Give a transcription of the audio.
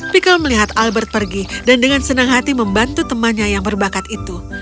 pikal melihat albert pergi dan dengan senang hati membantu temannya yang berbakat itu